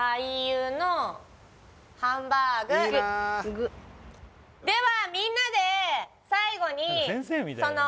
由のハンバーグではみんなで最後にその